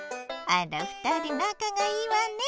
あら２人なかがいいわね！